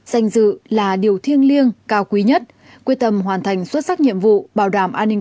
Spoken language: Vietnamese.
danh dự là điều thiêng liêng cao quý nhất quyết tâm hoàn thành xuất sắc nhiệm vụ bảo đảm an ninh